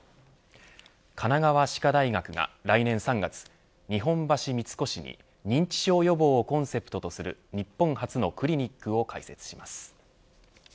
神奈川歯科大学が来年３月日本橋三越に認知症予防をコンセプトとする日本初のクリニックを開設します。